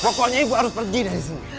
pokoknya ibu harus pergi dari sini